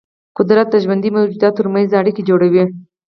قدرت د ژوندي موجوداتو ترمنځ اړیکې جوړوي.